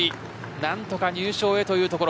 何とか入賞へというところ。